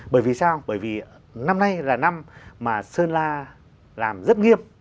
bởi vì sao bởi vì năm nay là năm mà sơn la làm rất nghiêm